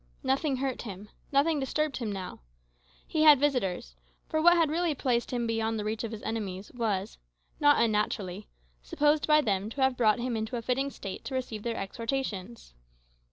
Nothing hurt him; nothing disturbed him now. He had visitors; for what had really placed him beyond the reach of his enemies was, not unnaturally, supposed by them to have brought him into a fitting state to receive their exhortations.